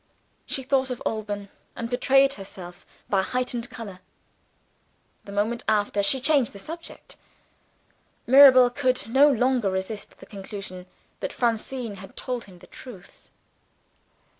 She thought of Alban and betrayed herself by a heightened color. The moment after, she changed the subject. Mirabel could no longer resist the conclusion that Francine had told him the truth.